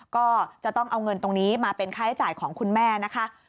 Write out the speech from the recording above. ก็จะต้องเอาเงินตรงนี้มาเป็นค่าใช้จ่ายของคุณแม่นะคะ